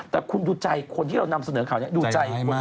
แต่คุณดูใจคนที่เรานำเสนอข่าวนี้